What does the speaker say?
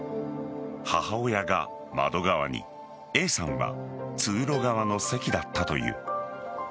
母親が窓側にＡさんは通路側の席だったという。